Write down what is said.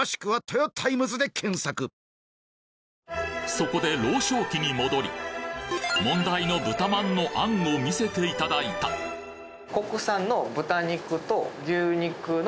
そこで老祥記に戻り問題の豚まんの餡を見せていただいたのみ？